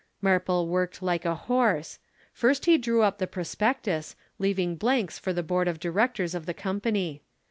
Marple worked like a horse. First he drew up the Prospectus, leaving blanks for the Board of Directors of the Company.